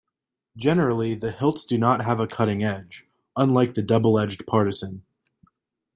Generally, the hilts do not have a cutting edge, unlike the double-edged partisan.